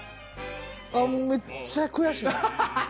めっちゃ悔しい！ハハハ！